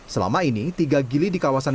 selama ini tiga gili di kawasan